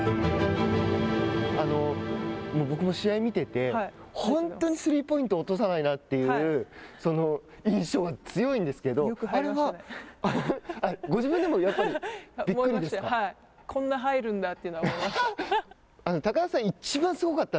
僕も試合を見てて本当にスリーポイントを落とさないなというその印象が強いんですけどあれはご自分でもこんな入るんだというのは思いました。